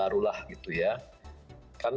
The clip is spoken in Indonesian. jadi semoga tidak baru